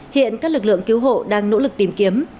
hiện các lực lượng cứu hộ đang nỗ lực tìm kiếm